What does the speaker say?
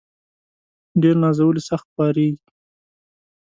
ډير نازولي ، سخت خوارېږي.